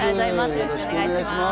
よろしくお願いします。